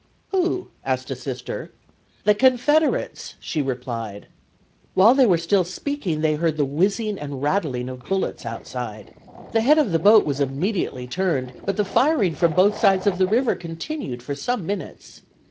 "Who?" asked a Sister. "The Confederates," she replied. While they were still speaking they heard the whizzing and rattling of bullets outside. The head of the boat was immediately turned, but the firing from both sides of the river continued for some minutes.